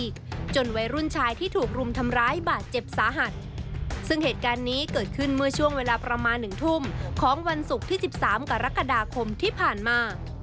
การเมนต์นี้เกิดขึ้นเมื่อช่วงเวลาประมาณหนึ่งทุ่มของวันศุกร์ที่๑๓กรกฎาคมที่ผ่านมา